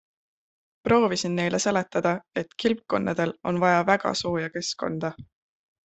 Proovisin neile seletada, et kilpkonnadel on vaja väga sooja keskkonda.